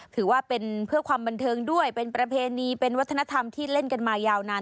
ถือว่าเป็นเพื่อความบันเทิงด้วยเป็นประเพณีเป็นวัฒนธรรมที่เล่นกันมายาวนาน